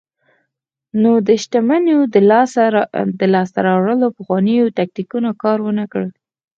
نو د شتمنیو د لاسته راوړلو پخوانیو تاکتیکونو کار ورنکړ.